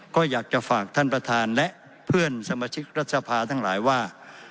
ก็อยากจะฝากท่านประธานและเพื่อนสมาชิกรัฐสภาทั้งหลายว่า